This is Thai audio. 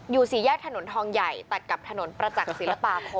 สี่แยกถนนทองใหญ่ตัดกับถนนประจักษ์ศิลปาคม